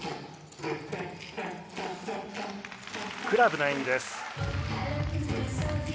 クラブの演技です。